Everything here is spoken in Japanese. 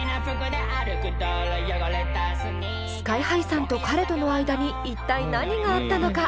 ＳＫＹ−ＨＩさんと彼との間に一体何があったのか！？